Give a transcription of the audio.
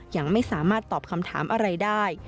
ยังไม่สามารถตอบคำถามอะไรได้